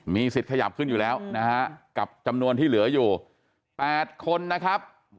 มีสิทธิ์ขยับขึ้นอยู่แล้วนะฮะกับจำนวนที่เหลืออยู่๘คนนะครับ